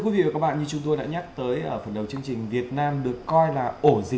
với những thông tin vừa rồi